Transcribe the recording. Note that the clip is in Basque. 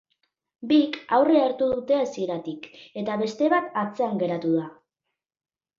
Bik aurrea hartu dute hasieratik, eta beste bat atzean geratu da.